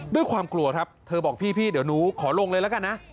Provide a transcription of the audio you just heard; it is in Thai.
ด้วยความกลัวครับเธอบอกพี่เดี๋ยวหนูขอลงเลยแล้วกันนะ